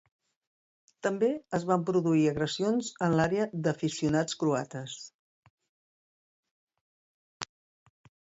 També es van produir agressions en l'àrea d'aficionats croates.